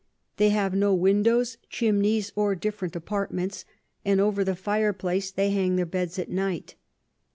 They have no Windows, Chimneys, or different Apartments; and over the Fire place they hang their Beds at night.